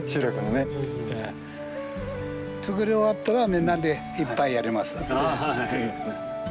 作り終わったらみんなで一杯やります。